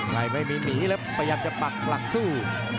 ใครไม่มีหนีแล้วพยายามจะปักหลักสู้